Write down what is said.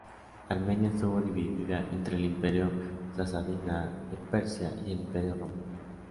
Armenia estuvo dividida entre el Imperio sasánida de Persia y el Imperio romano.